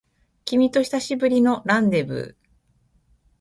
君と久しぶりのランデブー